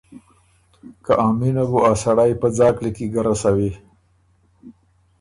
که ا مینه بُو ا سړئ پۀ ځاک لیکی ګۀ رَسَوی۔